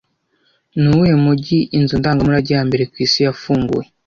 Nuwuhe mujyi inzu ndangamurage ya mbere ku isi yafunguye